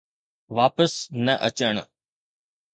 واپس نه اچڻ.